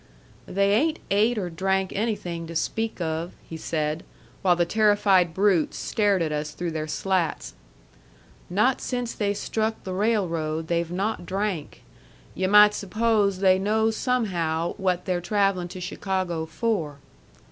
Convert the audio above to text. "They ain't ate or drank anything to speak of," he said, while the terrified brutes stared at us through their slats. "Not since they struck the railroad they've not drank. Yu' might suppose they know somehow what they're travellin' to Chicago for."